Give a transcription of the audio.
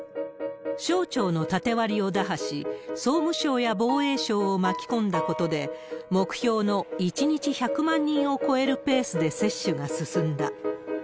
省庁の縦割りを打破し、総務省や防衛省を巻き込んだことで、目標の１日１００万人を超えるペースで接種が進んだ。